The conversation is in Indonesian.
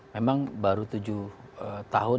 memang baru tujuh tahun